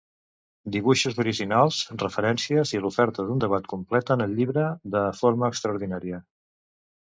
Dibuixos originals, referències i l'oferta d'un debat completen el llibre, de forma extraordinària.